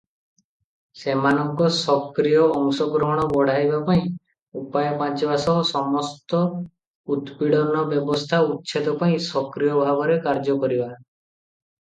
ସେମାନଙ୍କ ସକ୍ରିୟ ଅଂଶଗ୍ରହଣ ବଢ଼ାଇବା ପାଇଁ ଉପାୟ ପାଞ୍ଚିବା ସହ ସମସ୍ତ ଉତ୍ପୀଡ଼ନ ବ୍ୟବସ୍ଥା ଉଚ୍ଛେଦ ପାଇଁ ସକ୍ରିୟ ଭାବରେ କାର୍ଯ୍ୟ କରିବା ।